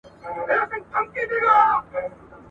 د احمق نوم يې پر ځان نه سو منلاى.